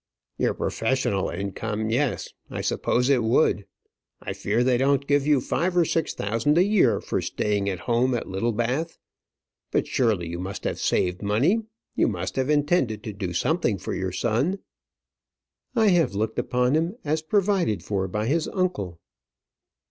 "Your professional income; yes, I suppose it would. I fear they don't give you five or six thousand a year for staying at home at Littlebath. But surely you must have saved money; you must have intended to do something for your son?" "I have looked upon him as provided for by his uncle."